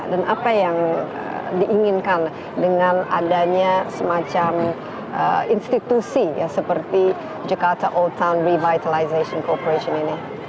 dan apa yang diinginkan dengan adanya semacam institusi seperti jakarta old town revitalization corporation ini